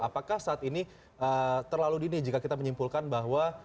apakah saat ini terlalu dini jika kita menyimpulkan bahwa